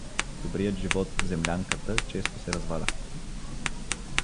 Добрият живот в землянката често се разваля.